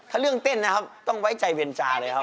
ถ้าเรื่องเต้นนะครับต้องไว้ใจเวรจาเลยครับ